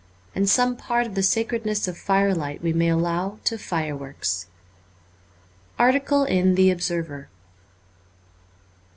And some part of the sacredness of firelight we may allow to fireworks. Article in ' The Observer.'